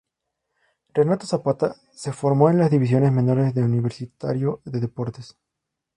Renato Zapata se formó en las divisiones menores de Universitario de Deportes.